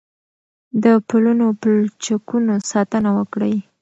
د پلونو او پلچکونو ساتنه وکړئ.